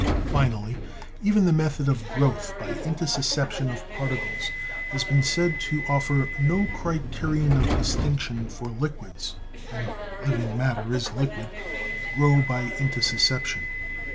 Finally, even the method of growth by intussusception of particles has been said to offer no criterion of distinc tion, for liquids (and living matter is liquid) grow by in tussusception.